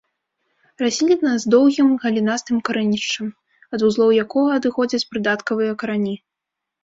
Расліна з доўгім галінастым карэнішчам, ад вузлоў якога адыходзяць прыдаткавыя карані.